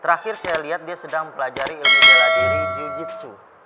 terakhir saya lihat dia sedang mempelajari ilmu bel diri jujitsu